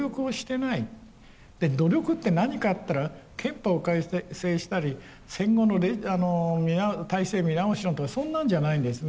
で努力って何かっていったら憲法を改正したり戦後の体制見直しなんてそんなんじゃないんですね。